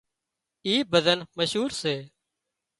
اين ڀزن مشهور سي